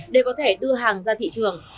để có thể đưa hàng ra thị trường